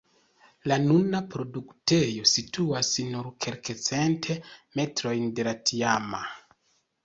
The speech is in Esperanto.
La nuna produktejo situas nur kelkcent metrojn de la tiama.